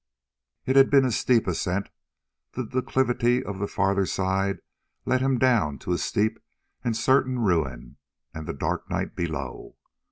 It had been a steep ascent; the declivity of the farther side led him down to a steep and certain ruin and the dark night below.